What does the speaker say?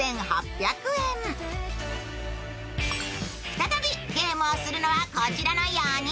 再びゲームをするのはこちらの４人。